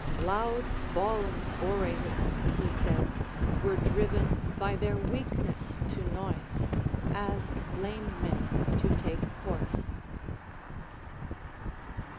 Loud bawling orators, he said, were driven by their weakness to noise, as lame men to take horse.